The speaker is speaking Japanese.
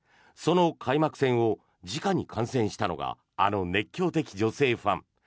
その開幕戦をじかに観戦したのがあの熱狂的女性ファン。